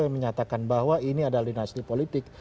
yang menyatakan bahwa ini adalah dinasti politik